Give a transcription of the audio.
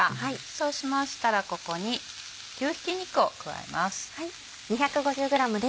そうしましたらここに牛ひき肉を加えます。